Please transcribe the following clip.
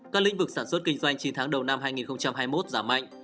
các lĩnh vực sản xuất kinh doanh chín tháng đầu năm hai nghìn hai mươi một giảm mạnh